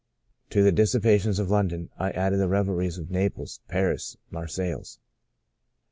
To the dissipations of London I added the revelries of Naples, Paris and Marseilles."